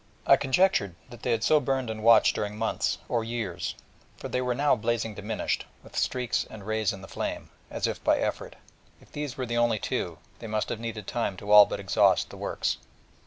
I conjectured that they had so burned and watched during months, or years: for they were now blazing diminished, with streaks and rays in the flame, as if by effort, and if these were the only two, they must have needed time to all but exhaust the works.